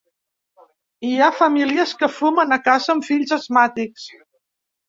Hi ha famílies que fumen a casa amb fills asmàtics.